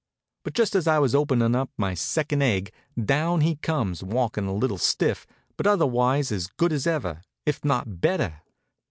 But just as I was openin' my second egg down he comes, walkin' a little stiff, but otherwise as good as ever, if not better.